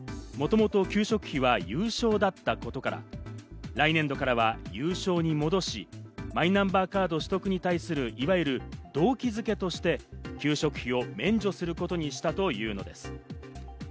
しかし、もともと給食費は有償だったことから、来年度からは有償に戻し、マイナンバーカード取得に対する、いわゆる動機づけとして給食費を免除することにしたというのです。